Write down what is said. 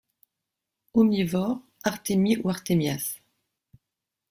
Omnivore, Artémie ou Artémias.